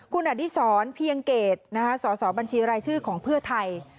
คุณอดิษรเพียงเกตสสบัญชีรายชื่อของเพื่อไทย